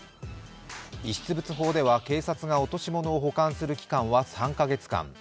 遺失物法では、警察が落とし物を保管する期間は３か月間。